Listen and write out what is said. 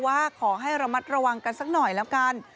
ว่าขอให้ระมัดระวังกันสักหน่อยแล้วกัน